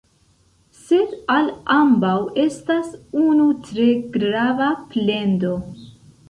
Sed al ambaŭ estas unu tre grava plendo.